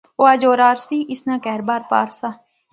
او اج اورار سی، اس نا کہھر بار پار سا